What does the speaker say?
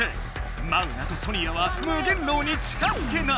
マウナとソニアは無限牢に近づけない。